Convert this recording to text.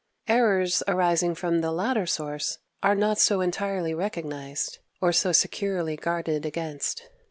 Errors arising from the latter source are not so entirely recognized, or so securely guarded against.